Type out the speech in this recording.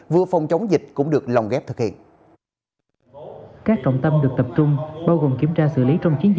vừa phòng chống dịch cũng được lòng ghép thực hiện